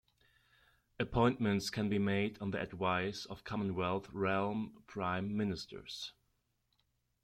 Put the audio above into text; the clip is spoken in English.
Appointments can be made on the advice of Commonwealth realm prime ministers.